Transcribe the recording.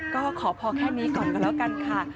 ก็ขอพอแค่นี้ก่อนก็แล้วกันค่ะ